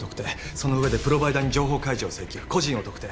そのうえでプロバイダーに情報開示を請求個人を特定